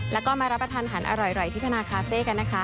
แล้วก็มารับประทานหันอร่อยที่ธนาคาเฟ่กันนะคะ